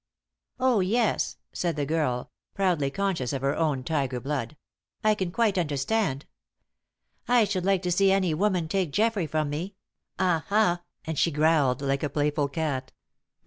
"Oh, yes," said the girl, proudly conscious of her own tiger blood, "I can quite understand. I should like to see any woman take Geoffrey from me! Aha!" And she growled like a playful cat.